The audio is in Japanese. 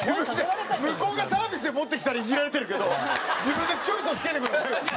向こうがサービスで持ってきたらイジられてるけど自分で「チョリソ付けてください」は。